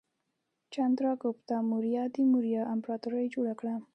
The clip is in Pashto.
چندراګوپتا موریا د موریا امپراتورۍ جوړه کړه.